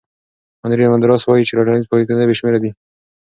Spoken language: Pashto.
هانري مندراس وایي چې ټولنیز واقعیتونه بې شمېره دي.